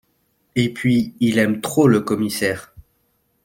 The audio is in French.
Et puis il aime trop le commissaire.